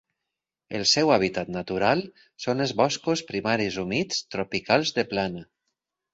El seu hàbitat natural són els boscos primaris humits tropicals de plana.